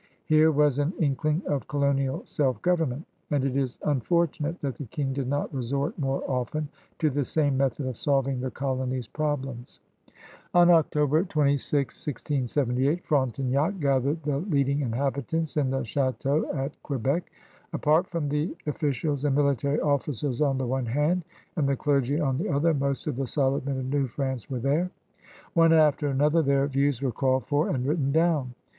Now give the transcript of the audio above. Here was an inkling of colonial self government, and it is unf ortimate that the King did not resort more often to the same method of solving the colony's problems. On October 26, 1678, Frontenac gathered the '^ leading inhabitants'* in the Ch&teau at Quebec. Apart from the officials and military officers on the one hand and the clergy on the otha*, most of the solid men of New Prance were there. One after another their views were called for and writ ten down.